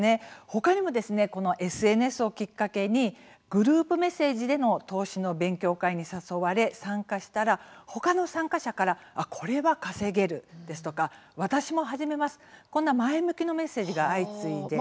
他にもＳＮＳをきっかけにグループメッセージでの投資の勉強会に誘われ参加したら他の参加者からこれは稼げるですとか私も始めます、こんな前向きなメッセージが相次いで。